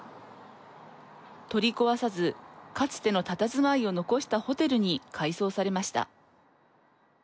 取り壊さずかつてのたたずまいを残したホテルに改装されました。